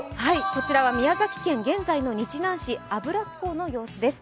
こちらは宮崎県、現在の日南市油津港の様子です。